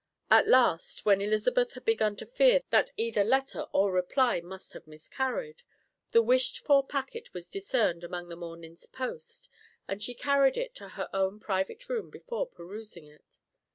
At last, when Elizabeth had begun to fear that either letter or reply must have miscarried, the wished for packet was discerned among the morning's post; and she carried it to her own private room before perusing it.